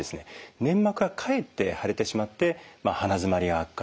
粘膜がかえって腫れてしまって鼻づまりが悪化すると。